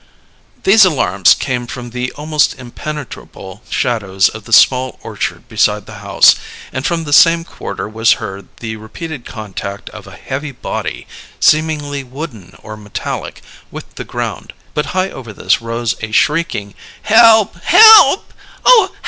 These alarms came from the almost impenetrable shadows of the small orchard beside the house; and from the same quarter was heard the repeated contact of a heavy body, seemingly wooden or metallic, with the ground; but high over this there rose a shrieking: "Help! Help!